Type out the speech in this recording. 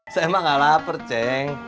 saya emang gak lapar ceng